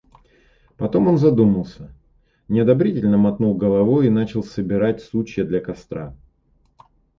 Потом он задумался, неодобрительно мотнул головой и начал собирать сучья для костра.